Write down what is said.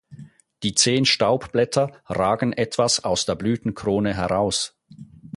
Die zehn Staubblätter ragen etwas aus der Blütenkrone heraus.